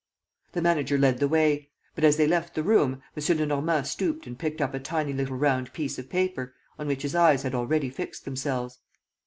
The manager led the way. But as they left the room, M. Lenormand stooped and picked up a tiny little round piece of paper, on which his eyes had already fixed themselves.